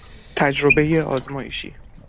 تجربهی آزمایشی